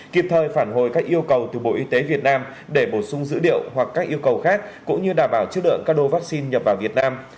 kịp thời phản hồi các yêu cầu từ bộ y tế việt nam để bổ sung dữ liệu hoặc các yêu cầu khác cũng như đảm bảo chất lượng các đô vaccine nhập vào việt nam